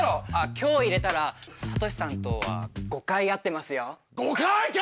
今日入れたら悟志さんとは５回会ってますよ。